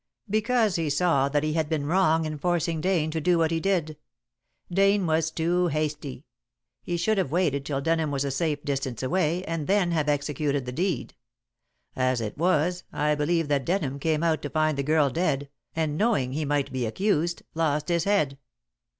"Because he saw that he had been wrong in forcing Dane to do what he did. Dane was too hasty. He should have waited till Denham was a safe distance away, and then have executed the deed. As it was I believe that Denham came out to find the girl dead, and knowing he might be accused, lost his head.